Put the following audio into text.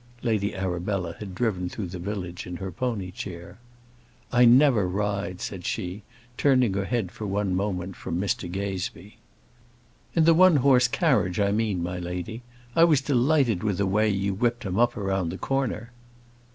Lady Arabella had driven through the village in her pony chair. "I never ride," said she, turning her head for one moment from Mr Gazebee. "In the one horse carriage, I mean, my lady. I was delighted with the way you whipped him up round the corner."